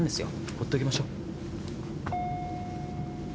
ほっときましょう。